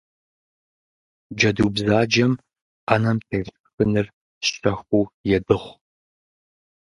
Хитрая кошка незаметно крадет еду со стола.